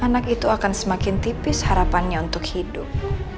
anak itu akan semakin tipis harapannya untuk hidup